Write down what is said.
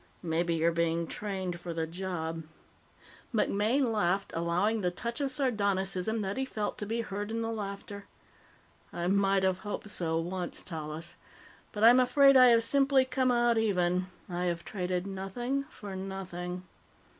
Maybe you're being trained for the job." MacMaine laughed, allowing the touch of sardonicism that he felt to be heard in the laughter. "I might have hoped so once, Tallis. But I'm afraid I have simply come out even. I have traded nothing for nothing."